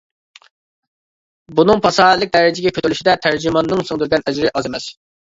بۇنىڭ پاساھەتلىك دەرىجىگە كۆتۈرۈلۈشىدە تەرجىماننىڭ سىڭدۈرگەن ئەجرى ئاز ئەمەس.